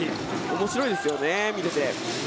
面白いですよね見てて。